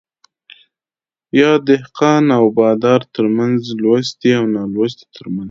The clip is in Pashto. يا دهقان او بادار ترمنځ ،لوستي او نالوستي ترمنځ